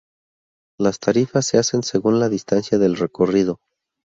Las tarifas se hacen según la distancia del recorrido.